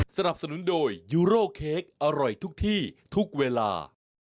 สนับสนุนโดยยูโร่เค้กอร่อยทุกที่ทุกเวลา